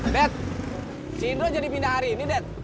dad si indro jadi pindah hari ini dad